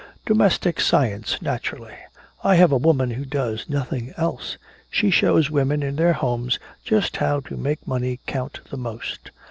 "Domestic science, naturally I have a woman who does nothing else. She shows women in their homes just how to make money count the most."